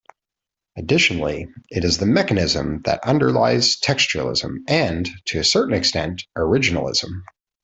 Additionally, it is the mechanism that underlies textualism and, to a certain extent, originalism.